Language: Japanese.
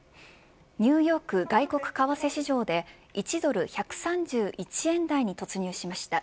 ニューヨーク外国為替市場で１ドル１３１円台に突入しました。